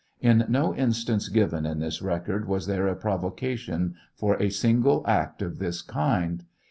In no instance given in this record was there a provocation for a single act of this kind.